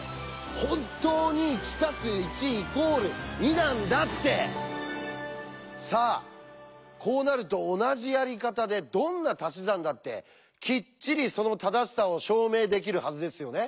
本当に「１＋１＝２」なんだって！さあこうなると同じやり方でどんな「たし算」だってきっちりその正しさを証明できるはずですよね？